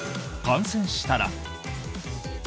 感染したら。